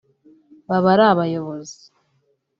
baba ari abayobozi